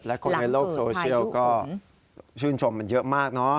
และคนในโลกโซเชียลก็ชื่นชมมันเยอะมากเนอะ